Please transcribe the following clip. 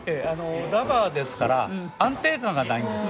ラバーですから安定感がないんですね。